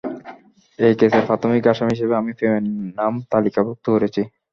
এই কেসের প্রাথমিক আসামী হিসেবে আমি প্রেমের নাম তালিকাভুক্ত করেছি।